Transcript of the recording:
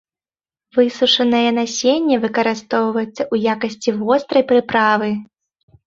Высушанае насенне выкарыстоўваецца ў якасці вострай прыправы.